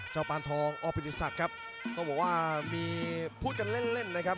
เจ้าปานทองออภิติศักดิ์ครับก็บอกว่ามีผู้จะเล่นนะครับ